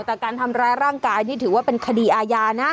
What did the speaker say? แต่การทำร้ายร่างกายนี่ถือว่าเป็นคดีอาญานะ